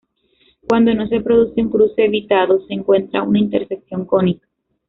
Cuando no se produce un cruce evitado, se encuentra una intersección cónica.